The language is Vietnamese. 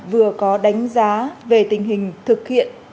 vừa có đánh giá về tình hình thực hiện